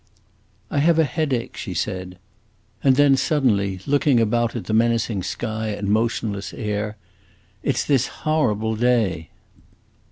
"I have a headache," she said. And then suddenly, looking about at the menacing sky and motionless air, "It 's this horrible day!"